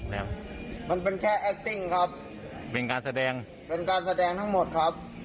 มันเป็นการแสดงทั้งหมดครับ